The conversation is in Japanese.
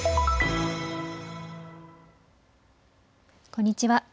こんにちは。